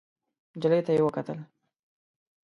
نجلۍ ته يې وکتل.